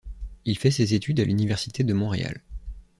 Il fait ses études à l'université de Montréal.